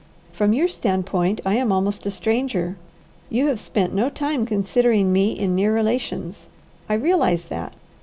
From your standpoint I am almost a stranger. You have spent no time considering me in near relations; I realize that.